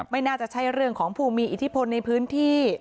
ไม่น่าจะใช่เรื่องของผู้มีอิทธิพลในพื้นที่